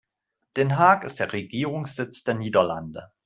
Den Haag ist der Regierungssitz der Niederlande.